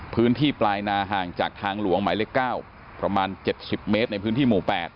พื้นที่ปลายนาห่างจากทางหลวงหมายเลข๙ประมาณ๗๐เมตรในพื้นที่หมู่๘